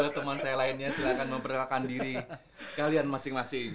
teman saya lainnya silahkan memperkenalkan diri kalian masing masing